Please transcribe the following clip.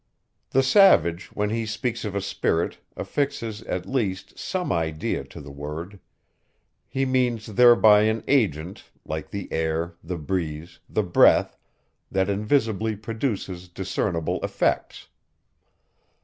The savage, when he speaks of a spirit, affixes, at least, some idea to the word; he means thereby an agent, like the air, the breeze, the breath, that invisibly produces discernible effects.